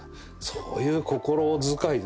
そういう心遣いですよ